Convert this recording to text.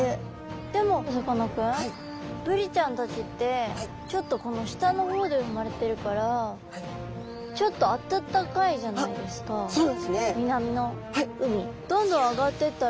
でもさかなクンブリちゃんたちってちょっとこの下の方で生まれてるからちょっとさすがですね